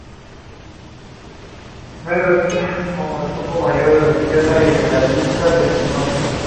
apartábase lánguidamente los rizos que, deshechos por el viento marino